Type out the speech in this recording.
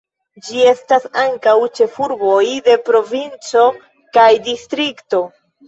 Ĝi estas ankaŭ ĉefurboj de provinco kaj distrikto.